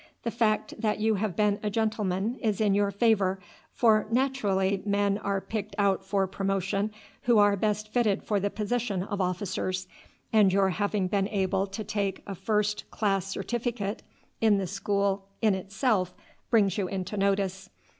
The fact that you have been a gentleman is in your favour, for naturally men are picked out for promotion who are best fitted for the position of officers; and your having been able to take a first class certificate in the school in itself brings you into notice.